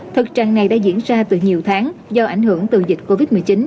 thực trạng này đã diễn ra từ nhiều tháng do ảnh hưởng từ dịch covid một mươi chín